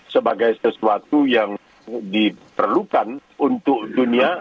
sebagai sesuatu yang diperlukan untuk dunia